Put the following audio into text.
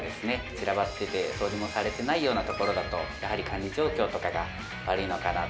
散らばってて掃除もされてないような所だとやはり管理状況とかが悪いのかなと。